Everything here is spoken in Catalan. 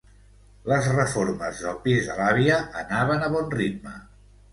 Les reformes del pis de l'àvia anaven a bon ritme.